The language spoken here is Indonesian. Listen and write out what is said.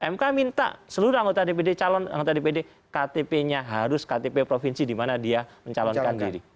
mk minta seluruh anggota dpd calon anggota dpd ktp nya harus ktp provinsi di mana dia mencalonkan diri